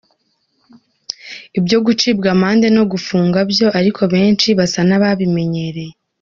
Ibyo gucibwa amande no gufungwa byo ariko abenshi basa n’ababimenyereye.